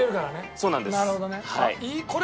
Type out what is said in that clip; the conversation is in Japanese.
そうなんです。